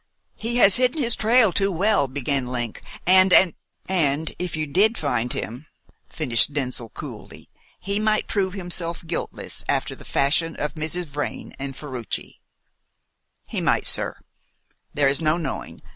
"He has hidden his trail too well," began Link, "and and " "And if you did find him," finished Denzil coolly, "he might prove himself guiltless, after the fashion of Mrs. Vrain and Ferruci." "He might, sir; there is no knowing.